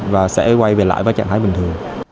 và sẽ quay về lại vào trạng thái bình thường